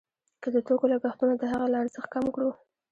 که د توکو لګښتونه د هغه له ارزښت کم کړو